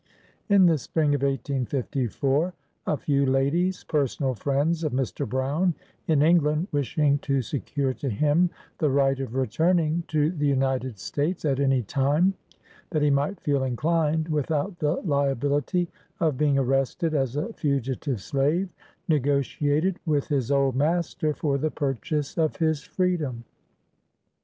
In the spring of 1854. a few ladies, personal friends of Mr. Brown, in England, wishing to secure to him the right of returning to the United States at any time that he might feel inclined, without the liability of being arrested as a fugitive slave, negotiated with his old master for the purchase of his freedom.